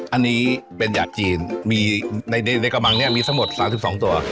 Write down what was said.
อันนี้เป็นยาจีนในกำลังเนี่ยมีสมด๓๒ตัว